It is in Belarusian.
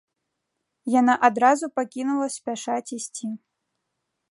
Яна адразу пакінула спяшаць ісці.